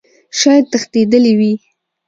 شايد تښتيدلى وي .